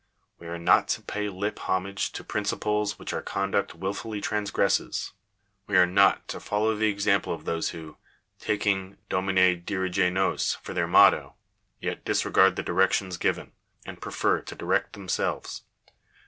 We are not to pay lip homage to prin f ciples which our conduct wilfully transgresses. We are not to follow the example of those who, taking " Domine dirige nos" for their motto, yet disregard the directions given, and prefer to direct themselves.